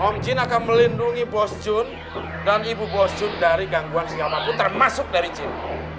om jin akan melindungi bos jun dan ibu bos jun dari gangguan siapapun termasuk dari china